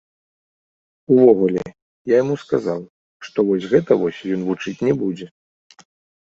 Увогуле, я яму сказаў, што вось гэта вось ён вучыць не будзе.